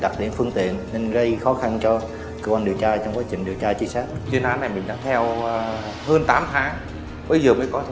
thì cũng ra sót được